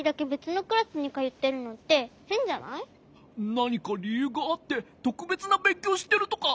なにかりゆうがあってとくべつなべんきょうをしてるとか？